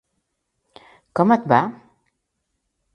Com et va?